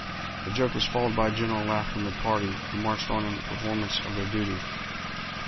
The joke was followed by a general laugh from the party, who marched on in performance of their duty.